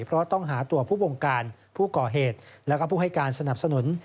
เพราะต้องหาตัวผู้บงการผู้ก่อเหตุและผู้ให้การสนับสนุน